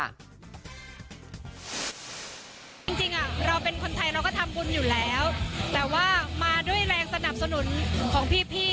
จริงเราเป็นคนไทยเราก็ทำบุญอยู่แล้วแต่ว่ามาด้วยแรงสนับสนุนของพี่